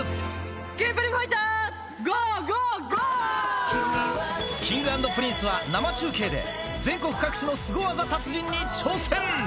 キンプリファイターズ、Ｋｉｎｇ＆Ｐｒｉｎｃｅは生中継で、全国各地のスゴ技達人に挑戦。